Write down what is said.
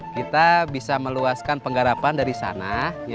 kita bisa meluaskan penggarapan dari sana